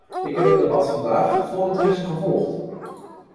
Ik heb het debat vandaag vol interesse gevolgd.